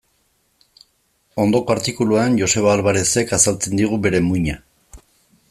Ondoko artikuluan Joseba Alvarerezek azaltzen digu bere muina.